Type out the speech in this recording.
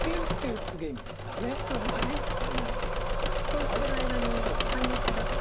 そうしてる間に反撃がきますか。